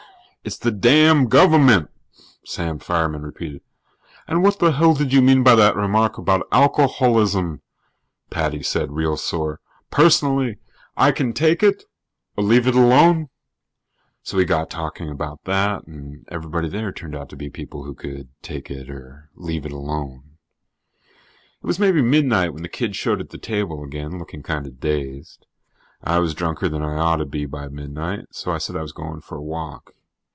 "It's the damn govermint," Sam Fireman repeated. "And what the hell did you mean by that remark about alcoholism?" Paddy said, real sore. "Personally, I can take it or leave it alone." So we got to talking about that and everybody there turned out to be people who could take it or leave it alone. It was maybe midnight when the kid showed at the table again, looking kind of dazed. I was drunker than I ought to be by midnight, so I said I was going for a walk.